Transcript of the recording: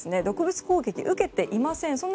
毒物攻撃を受けていません